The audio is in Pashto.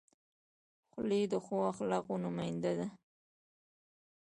خولۍ د ښو اخلاقو نماینده ده.